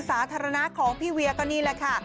สาธารณะของพี่เวียก็นี่แหละค่ะ